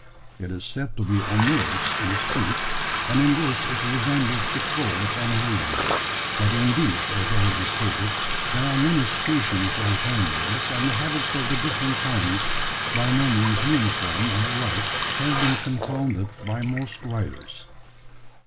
It is said to be omnivorous in its food; and in this it resembles the crows and ravens: but, indeed, as already stated, there are many species of hornbills, and the habits of the different kinds, by no means uniform or alike, have been confounded by most writers.